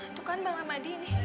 itu kan bang ahmadi ini